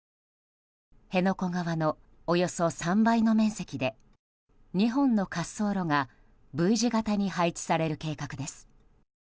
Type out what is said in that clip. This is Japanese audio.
辺野古側のおよそ３倍の面積で２本の滑走路がＶ字形に配置される計画です。